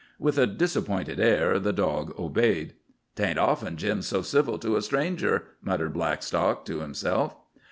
With a disappointed air the dog obeyed. "'Tain't often Jim's so civil to a stranger," muttered Blackstock to himself.